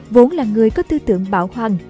vốn là người có tư tưởng bảo hoàng